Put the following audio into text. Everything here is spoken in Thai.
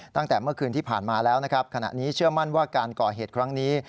ตั้งแต่เมื่อคืนที่ผ่านมาแล้วนะครับขณะนี้เชื่อมั่นว่าการก่อเหตุครั้งนี้